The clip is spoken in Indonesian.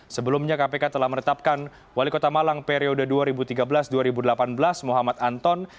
sebelumnya kpk telah menetapkan wali kota malang periode dua ribu tiga belas dua ribu delapan belas muhammad anton